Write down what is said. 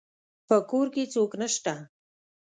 په کور کي څوک نسته